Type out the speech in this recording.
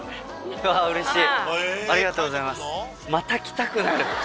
うわうれしい！